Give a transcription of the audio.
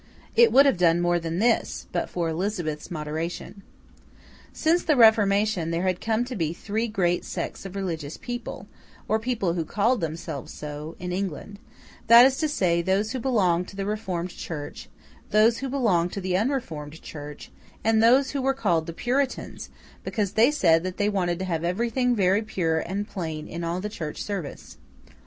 It would have done more than this, but for Elizabeth's moderation. Since the Reformation, there had come to be three great sects of religious people—or people who called themselves so—in England; that is to say, those who belonged to the Reformed Church, those who belonged to the Unreformed Church, and those who were called the Puritans, because they said that they wanted to have everything very pure and plain in all the Church service.